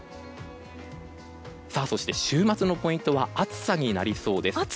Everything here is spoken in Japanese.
そして、週末のポイントは暑さになりそうなんです。